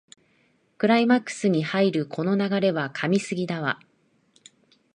クライマックスに入るこの流れは神すぎだわ